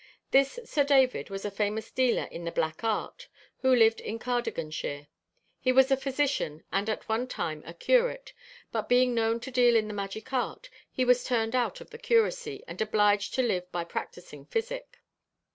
This Sir David was a famous dealer in the black art, who lived in Cardiganshire. He was a physician, and at one time a curate; but being known to deal in the magic art, he was turned out of the curacy, and obliged to live by practising physic.